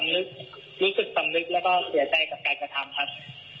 รู้สึกสำนึกแล้วก็เสียใจกับการกระทำครับ